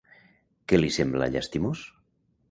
Què li sembla llastimós?